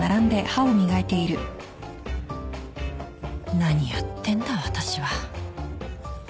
何やってんだ私は